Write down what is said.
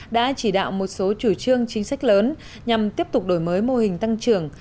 đã chỉ đạo một số chủ trương chính sách lớn nhằm tiếp tục đổi mới mô hình tăng trưởng